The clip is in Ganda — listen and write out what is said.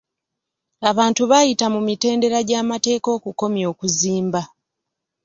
Abantu baayita mu mitendera gy'amateeka okukomya okuzimba.